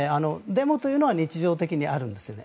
デモというのは日常的にはあるんです。